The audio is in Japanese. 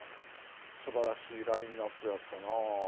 素晴らしいラインアップやったな。